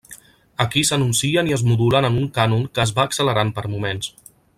Aquí s'enuncien i es modulen en un cànon que es va accelerant per moments.